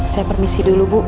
saya permisi dulu bu